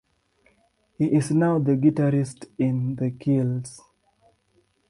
He is now the guitarist in The Kills.